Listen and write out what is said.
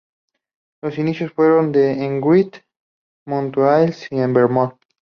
Los inicios fueron en Green Mountains en Vermont.